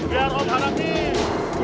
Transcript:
biar om harapin